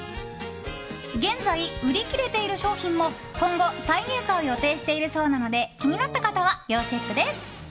現在売り切れている商品も今後、再入荷を予定しているそうなので気になった方は要チェックです。